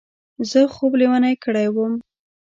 زه خوب لېونی کړی وم.